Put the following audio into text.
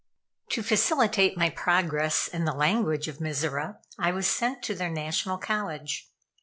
To facilitate my progress in the language of Mizora I was sent to their National College.